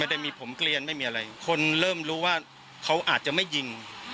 ได้มีผมเกลียนไม่มีอะไรคนเริ่มรู้ว่าเขาอาจจะไม่ยิง